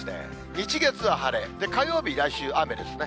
日、月は晴れ、火曜日、来週雨ですね。